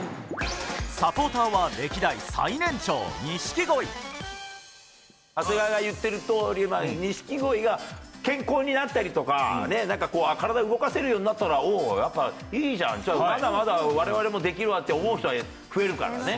サポーターは、歴代最年長、長谷川が言ってるとおり、錦鯉が健康になったりとか、なんか体動かせるようになったら、おお、やっぱいいじゃん、じゃあ、まだまだわれわれもできるわって思う人が増えるからね。